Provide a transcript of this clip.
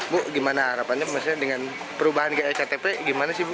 bu gimana harapannya dengan perubahan iktp gimana sih bu